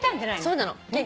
そうなの。